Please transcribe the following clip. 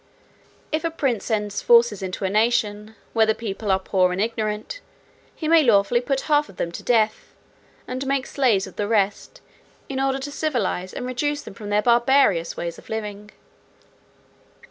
If a prince sends forces into a nation, where the people are poor and ignorant, he may lawfully put half of them to death, and make slaves of the rest, in order to civilize and reduce them from their barbarous way of living.